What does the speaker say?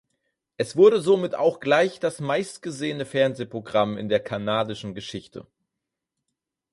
Es wurde somit auch gleich dass meistgesehene Fernsehprogramm in der kanadischen Geschichte.